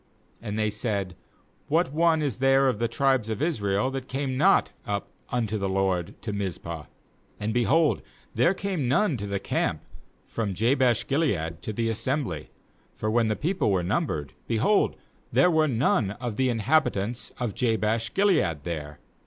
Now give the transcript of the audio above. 8And they said: 'What one is there of the tribes of Israel that came not up unto the LORD to Miz pah?' And, behold, there came none to the camp from Jabesh gilead to the assembly. 9For when the people were numbered, behold, there were none of the inhabitants of Jabesh gilead there.